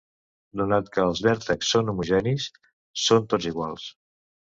Donat que els vèrtexs són homogenis, són tots iguals.